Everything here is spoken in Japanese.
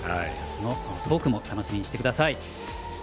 トークも楽しみにしてください。